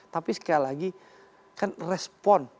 tapi sekali lagi kan respon